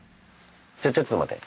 じゃあちょっと待て。